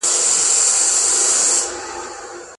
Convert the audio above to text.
کوچني ماشومان د چا له ميني څخه محروميږي؟